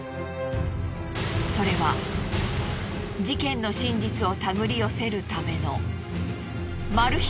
それは事件の真実を手繰り寄せるためのマル秘